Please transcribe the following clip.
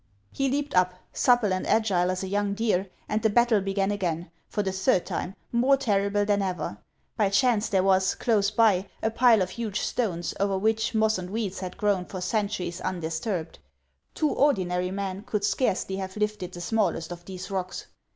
He leaped up, supple and agile as a young deer, and the battle began again, for the third time, more terrible than ever. I>y chance there was, close bv, a pile of hu^e stones «/ v * J. O over which moss and weeds had grown for centuries undis turbed. Two ordinary men could scarcely have lifted the smallest of these rocks.